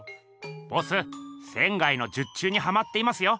ボス仙の術中にハマっていますよ！